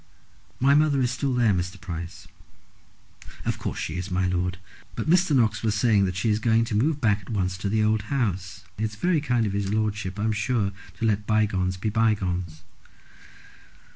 "My mother is still there, Mr. Price." "In course she is, my lord. But Mr. Knox was saying that she is going to move back at once to the old house. It's very kind of his lordship, I'm sure, to let bygones be bygones."